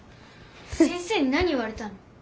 先生に何言われたの？